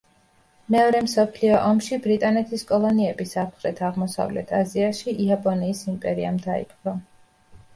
მეორე მსოფლიო ომში ბრიტანეთის კოლონიები სამხრეთ-აღმოსავლეთ აზიაში იაპონიის იმპერიამ დაიპყრო.